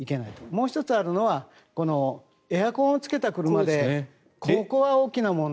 もう１つあるのはエアコンをつけた車でここは大きな問題。